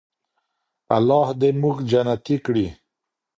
الله دې موږ جنتي کړي.